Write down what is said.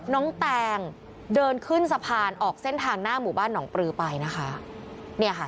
น้องแต่งเดินขึ้นสะพานออกเส้นทางหน้าหมู่บ้านหนองปรือไปนะคะ